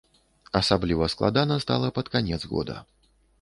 Асабліва складана стала пад канец года.